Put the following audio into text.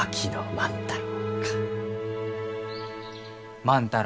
万太郎。